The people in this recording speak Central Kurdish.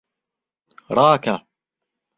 ڕاکە!